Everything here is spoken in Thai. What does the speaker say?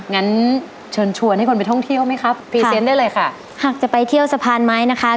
งั้นเชิญชวนให้คนไปท่องเที่ยวไหมครับพรีเซนต์ได้เลยค่ะหากจะไปเที่ยวสะพานไม้นะคะ